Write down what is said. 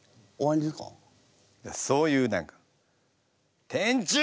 いやそういう何か天柱！